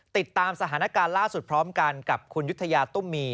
ติดตามสถานการณ์ล่าสุดพร้อมกันกับคุณยุธยาตุ้มมี